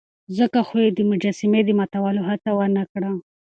ځکه خو يې د مجسمې د ماتولو هڅه ونه کړه.